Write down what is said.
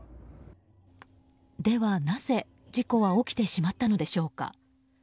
ではなぜ事故は起きてしまったのでしょうか。